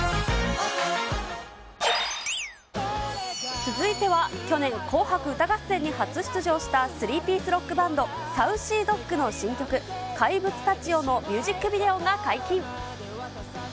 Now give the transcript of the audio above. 続いては、去年、紅白歌合戦に初出場したスリーピースロックバンド、サウシードッグの新曲、怪物たちよのミュージックビデオが解禁。